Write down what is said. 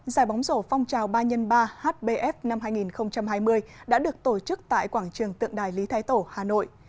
giải bóng rổ phong trào ba x ba hbf năm hai nghìn hai mươi đã được tổ chức tại quảng trường tượng đài lý thái tổ hà nội